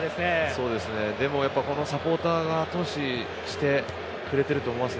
でも、サポーターがあと押ししてくれてると思います。